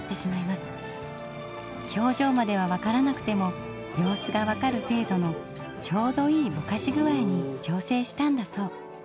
表情までは分からなくても様子が分かる程度のちょうどいいボカし具合に調整したんだそう。